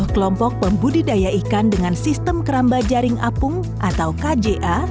sepuluh kelompok pembudidaya ikan dengan sistem keramba jaring apung atau kja